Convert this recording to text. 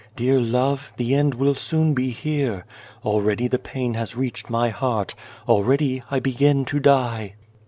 " Dear love, the end will soon be here. Already the pain has reached my heart; already I begin to die."